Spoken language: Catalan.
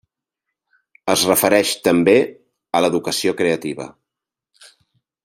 Es refereix també a l'Educació Creativa.